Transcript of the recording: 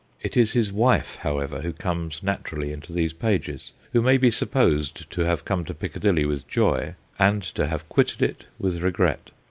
It is his wife, however, who comes naturally into these pages, who may be supposed to have come to Piccadilly with joy and to have quitted it with re gret.